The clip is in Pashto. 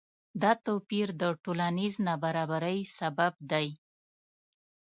دا توپیر د ټولنیز نابرابری سبب دی.